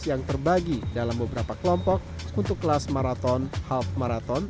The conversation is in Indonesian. yang terbagi dalam beberapa kelompok untuk kelas maraton half maraton